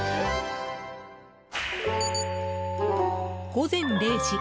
午前０時。